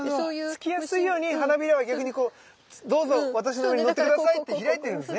つきやすいように花びらは逆にこうどうぞ私の上にのって下さいって開いているんですね。